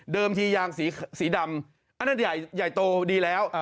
ทียางสีดำอันนั้นใหญ่โตดีแล้ว